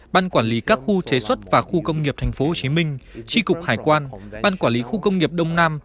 thì các khu chế xuất và khu công nghiệp tp hcm tri cục hải quan ban quản lý khu công nghiệp đông nam